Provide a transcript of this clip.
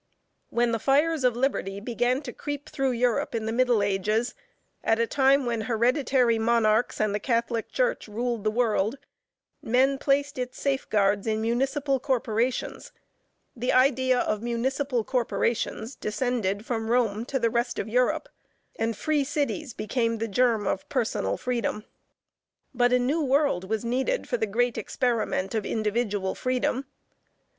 When the fires of liberty began to creep through Europe in the middle ages, at a time when hereditary monarchs and the catholic church ruled the world, men placed its safeguards in municipal corporations. The idea of municipal corporations descended from Rome to the rest of Europe, and "free cities" became the germ of personal freedom. But a new world was needed for the great experiment of individual freedom.